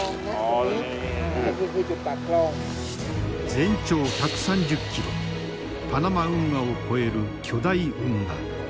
全長１３０キロパナマ運河を超える巨大運河。